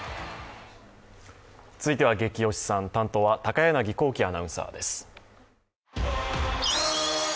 続いては「ゲキ推しさん」担当は高柳光希アナウンサーです。